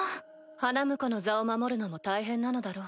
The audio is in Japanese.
花婿の座を守るのも大変なのだろう。